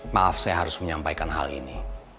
maaf saya harus menyampaikan hal ini